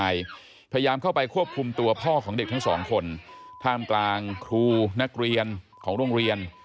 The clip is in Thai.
พยายามเข้าไปควบคุมตัวพ่อของเด็กทั้งสองคนท่ามกลางครูนักเรียนของโรงเรียน